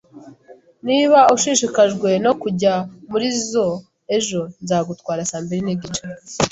Niba ushishikajwe no kujya muri zoo ejo, nzagutwara saa mbiri nigice